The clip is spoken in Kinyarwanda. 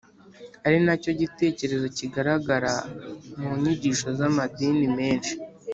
ari na cyo gitekerezo kigaragara mu nyigisho z’amadini menshi